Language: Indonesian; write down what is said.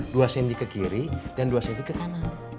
dua sendi ke kiri dan dua sendi ke kanan